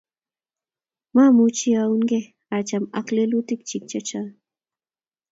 Mamuchi aungei acham ak lelutik chiik chechang